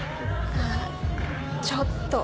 あっちょっと。